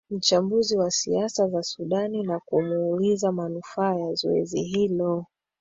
mchambuzi wa siasa za sudan na kumuuliza manufaa ya zoezi hilo